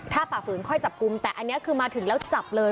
ถ้าฝ่าฝืนค่อยจับกลุ่มแต่อันนี้คือมาถึงแล้วจับเลย